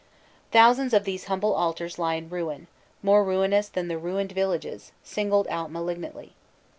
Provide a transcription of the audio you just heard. Thousands of these humble altars lie in ruin, more ruinous than the ruined villages, singled out malignantly.